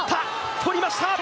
取りました！